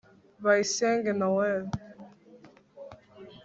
bayisenge nöel